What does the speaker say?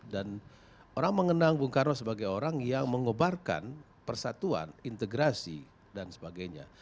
dan orang mengenang bung karwo sebagai orang yang mengobarkan persatuan integrasi dan sebagainya